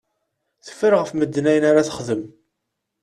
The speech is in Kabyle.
Teffer ɣef medden ayen ara texdem.